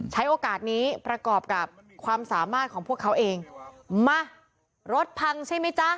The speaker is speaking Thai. ใช้โอกาสนี้ประกอบกับความสามารถของพวกเขาเองมารถพังใช่ไหมจ๊ะ